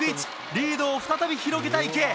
リードを再び広げた池江。